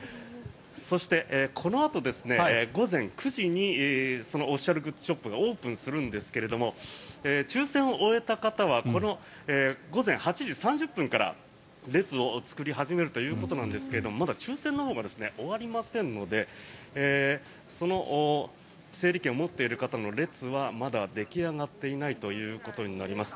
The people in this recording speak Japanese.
そして、このあと午前９時にオフィシャルグッズショップがオープンするんですけれども抽選を終えた方は午前８時３０分から列を作り始めるということですがまだ抽選のほうが終わりませんので整理券を持っている方の列はまだできあがっていないということになります。